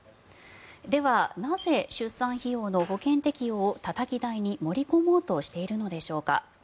では、なぜ出産費用の保険適用をたたき台に盛り込もうとしているのでしょうか。